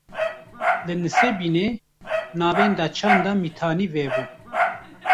Li Nisêbînê, Navenda Çanda Mîtanî vebû